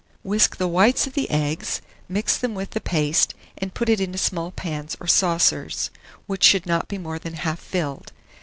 Whisk the whites of the eggs, mix them with the paste, and put it into small pans or saucers, which should not be more than half filled.